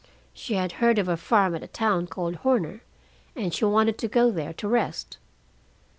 She had heard of a farm at a town called Horner, and she wanted to go there to rest.